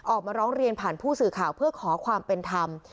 ออกมาร้องเรียนผ่านผู้สื่อข่าวเพื่อขอความเป็นธรรม